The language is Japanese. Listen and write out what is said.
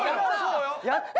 やった！